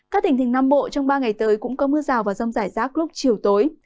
các tỉnh thành nam bộ trong ba ngày tới cũng có mưa rào và rông rải rác lúc chiều tối